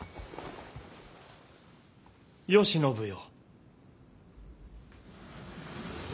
・慶喜よ。